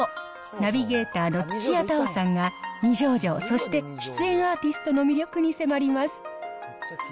ナビゲーターの土屋太鳳さんが、二条城、そして出演アーティストの魅力に迫ります。